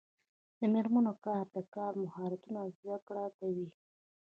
د میرمنو کار د کار مهارتونو زدکړه کوي.